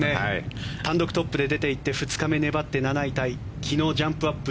単独トップで出ていって２日粘って７位タイ。